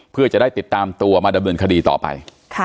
เพื่อจะได้ติดตามตัวมาดำเนินคดีต่อไป